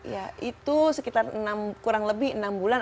ya itu sekitar kurang lebih enam bulan